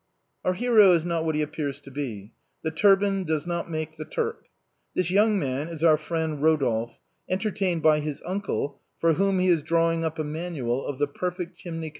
Our hero is not what he appears to be. The turban docs not make the Turk. This young man is our friend Ro dolphe, entertained by his uncle, for whom he is drawing up a manual of " The Perfect Chimney Constructor."